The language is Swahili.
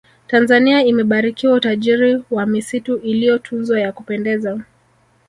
tanzania imebarikiwa utajiri wa misitu iliyotunzwa ya kupendeza